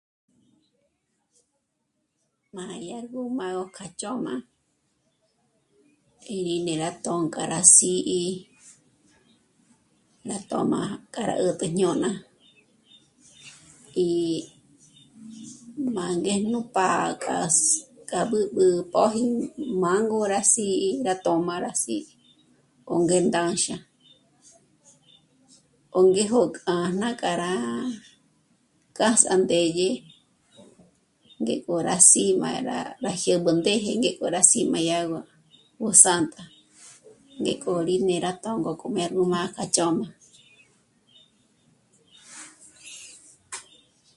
Má rí argo ma o k'a chö̌m'a e rí né'e rá tö̌nk'a rá sǐ'i, nà tö̌m'a k'a rá 'ä̀t'ä jñö̂na i má ngéj nú pá'a k'as... k'a b'ǚb'ü póji m'â'a ngó rá sǐ'i rá tö̌ma rá sí'i ó ngé ndánxa ó ngéjo k... ná k'a rá kjás'a ndédye ngé k'o rá sí'i má rá b'ájyób'ü ndéje ngé k'o rá sí' má dya ó, ó sā̂ntā ngé k'o rí né'e rá tō̂ngō kǜjme rí má k'a chö̌m'a